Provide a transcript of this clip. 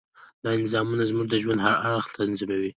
دا نظامونه زموږ د ژوند هر اړخ تنظیموي.